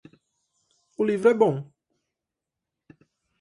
O livro é bom.